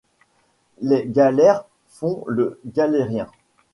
Les galères font le galérien.